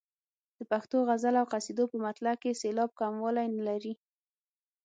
د پښتو غزل او قصیدو په مطلع کې سېلاب کموالی نه لري.